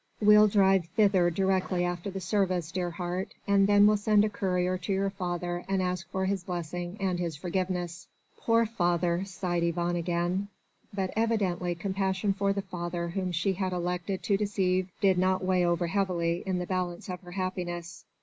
We'll drive thither directly after the service, dear heart, and then we'll send a courier to your father and ask for his blessing and his forgiveness." "Poor father!" sighed Yvonne again. But evidently compassion for the father whom she had elected to deceive did not weigh over heavily in the balance of her happiness.